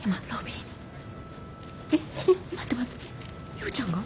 陽ちゃんが？